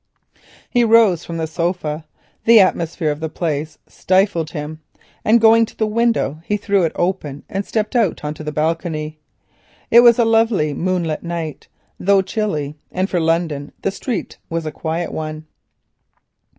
He rose from the sofa—the atmosphere of the place stifled him, and going to the window threw it open and stepped out on to the balcony. It was a lovely moonlight night, though chilly, and for London the street was a quiet one.